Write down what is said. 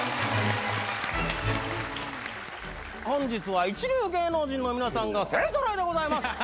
本日は一流芸能人の皆さんが勢揃いでございます。